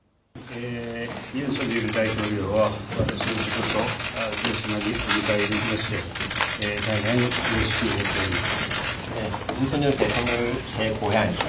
ユン・ソンニョル大統領を私の地元、広島にお迎えできまして、大変うれしく思っております。